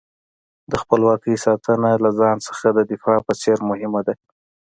د خپلواکۍ ساتنه له ځان څخه د دفاع په څېر مهمه ده.